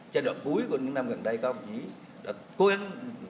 chế độ cuối của những năm gần đây có một chí đã quên